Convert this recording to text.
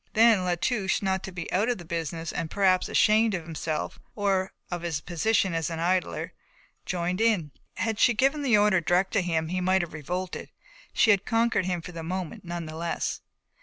Then La Touche, not to be out of the business and perhaps ashamed of himself, or of his position as an idler, joined in. Had she given the order direct to him he might have revolted; she had conquered him for the moment none the less.